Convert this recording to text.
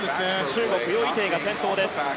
中国のヨ・イテイが先頭。